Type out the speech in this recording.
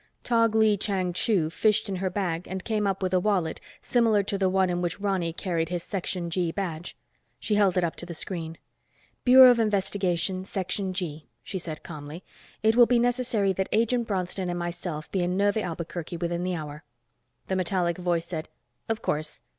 Tog Lee Chang Chu fished in her bag and came up with a wallet similar to the one in which Ronny carried his Section G badge. She held it up to the screen. "Bureau of Investigation, Section G," she said calmly. "It will be necessary that Agent Bronston and myself be in Neuve Albuquerque within the hour." The metallic voice said, "Of course.